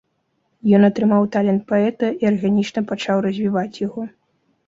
Ён атрымаў талент паэта і арганічна пачаў развіваць яго.